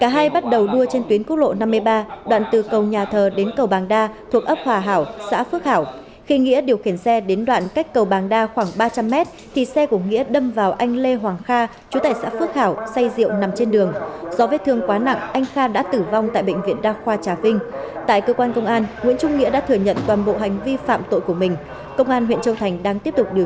hãy đăng ký kênh để ủng hộ kênh của chúng mình nhé